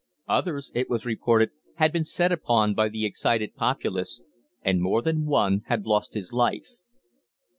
Others, it was reported, had been set upon by the excited populace, and more than one had lost his life.